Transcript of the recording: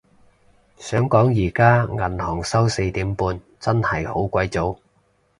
想講而家銀行收四點半，真係好鬼早